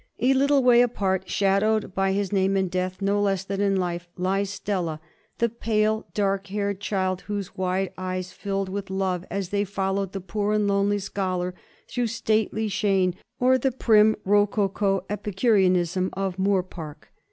A little way apart, shadowed by his name in death no less than in life, lies Stella, the pale, dark haired child whose wide eyes filled with love as they followed the poor and lonely scholar through stately Shene or the prim ro coco epicureanism of Moor Park.